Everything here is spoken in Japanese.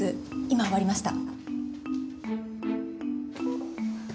今終わりました。